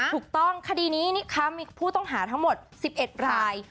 ถูกต้องคดีนี้มีผู้ต้องหาทั้งหมด๑๑ราย